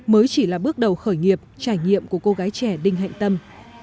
mới chỉ là bước đầu khởi nghiệp trải nghiệm của cô gái trẻ đinh hạnh tâm